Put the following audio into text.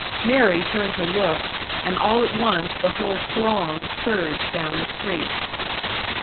Mary turned to look, and all at once the whole throng surged down the street.